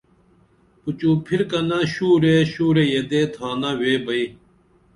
پُچُو پھرکنہ شُورے شُورے یدے تھانہ ویبئی